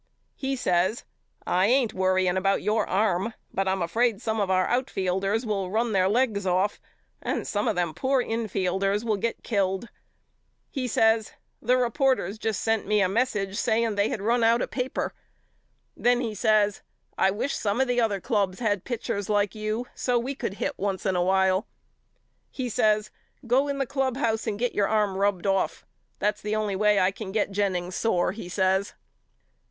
He says I ain't worrying about your arm but I'm afraid some of our outfielders will run their legs off and some of them poor in fielders will get killed. He says The reporters just sent me a message saying they had run out of paper. Then he says I wish some of the other clubs had pitchers like you so we could hit once in a while. He says Go in the clubhouse and get your arm rubbed off. That's the only way I can get Jennings sore he says.